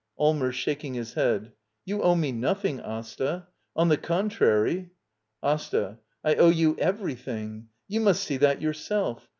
Allmers. [Shaking his head.] You owe me nothing, Asta. On the contrary — AsTA. I owe you everything! You must see that yourself.